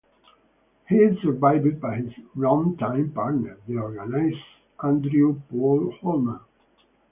He is survived by his longtime partner, the organist Andrew Paul Holman.